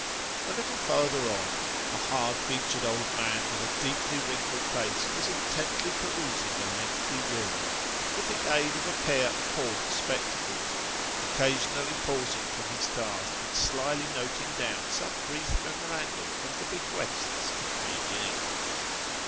A little further on, a hard featured old man with a deeply wrinkled face, was intently perusing a lengthy will with the aid of a pair of horn spectacles : occasionally pausing from his task, and slily noting down some brief memorandum of the bequests contained in it.